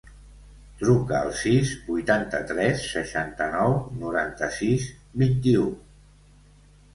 Truca al sis, vuitanta-tres, seixanta-nou, noranta-sis, vint-i-u.